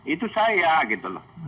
itu saya gitu loh